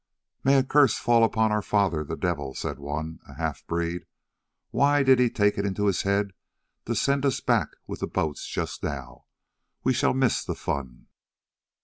"May a curse fall upon our father, the Devil!" said one, a half breed; "why did he take it into his head to send us back with the boats just now? We shall miss the fun."